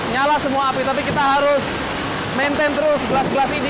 nyala semua api tapi kita harus maintain terus gelas gelas ini